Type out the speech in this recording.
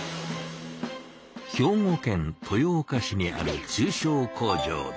兵庫県豊岡市にある中小工場です。